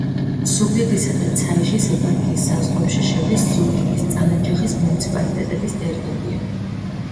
ზუგდიდისა და ცაიშის ეპარქიის საზღვრებში შედის ზუგდიდის, წალენჯიხის მუნიციპალიტეტების ტერიტორია.